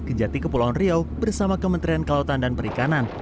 kejati kepulauan riau bersama kementerian kelautan dan perikanan